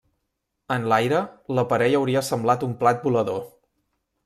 En l'aire, l'aparell hauria semblat un plat volador.